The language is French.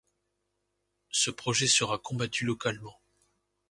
Ce projet sera combattu localement.